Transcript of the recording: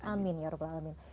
amin ya rupal alamin